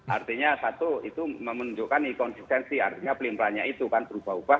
artinya satu itu menunjukkan konsistensi artinya pelimpannya itu kan berubah ubah